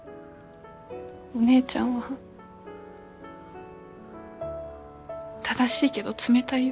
お姉ちゃんは正しいけど冷たいよ。